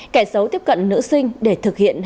kẻ xấu tiếp cận nữ sinh để thực hiện hành vi